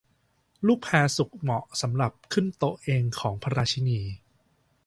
ลูกแพร์สุกเหมาะสำหรับขึ้นโต๊ะของพระราชินี